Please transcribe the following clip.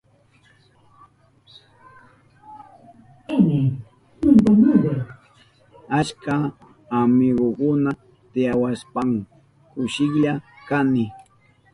Achka amigukuna tiyawashpan kushilla kani.